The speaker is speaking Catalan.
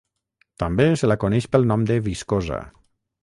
També se la coneix pel nom de viscosa.